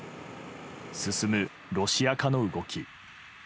進むロシア化の動き。